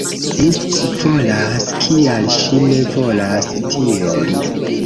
Mi scivolas kial ŝi ne volas tion!